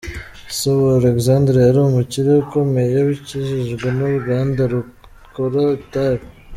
Se wa Alexandre yari umukire ukomeye wakijijwe n’uruganda rukora itabi.